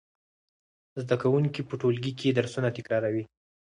زده کوونکي په ټولګي کې درسونه تکراروي.